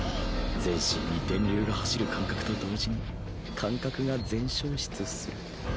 全身に電流が走る感覚と同時に感覚が全消失する